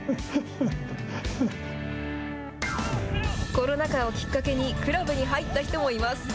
コロナ禍をきっかけにクラブに入った人もいます。